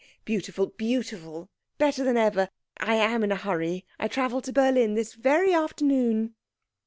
Beautiful beautiful better than ever. I am in a hurry. I travel to Berlin this very afternoon."